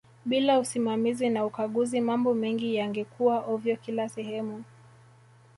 bila usimamizi na ukaguzi mambo mengi yangekuaa ovyo kila sehemu